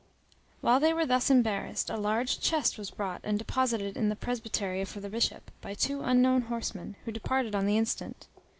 While they were thus embarrassed, a large chest was brought and deposited in the presbytery for the Bishop, by two unknown horsemen, who departed on the instant.